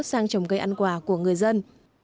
sang trồng cây ăn quả của người dân